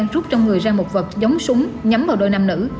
rút trong người ra một vật giống súng nhắm vào đôi nam nữ